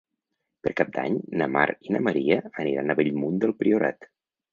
Per Cap d'Any na Mar i na Maria aniran a Bellmunt del Priorat.